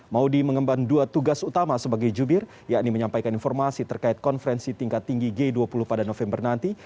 maudie mengemban dua tugas utama sebagai jubir yakni menyampaikan informasi terkait konferensi tingkat tinggi g dua puluh pada november nanti